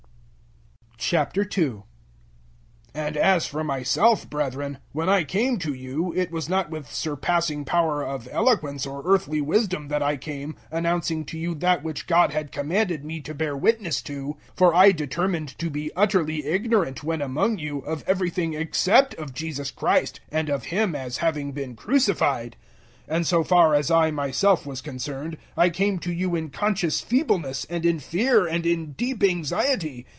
002:001 And as for myself, brethren, when I came to you, it was not with surpassing power of eloquence or earthly wisdom that I came, announcing to you that which God had commanded me to bear witness to. 002:002 For I determined to be utterly ignorant, when among you, of everything except of Jesus Christ, and of Him as having been crucified. 002:003 And so far as I myself was concerned, I came to you in conscious feebleness and in fear and in deep anxiety.